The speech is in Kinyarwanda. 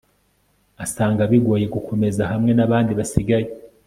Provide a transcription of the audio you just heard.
asanga bigoye gukomeza hamwe nabandi basigaye